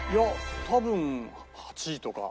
多分８位とか。